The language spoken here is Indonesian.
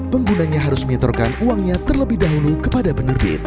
penggunanya harus menyetorkan uangnya terlebih dahulu kepada penerbit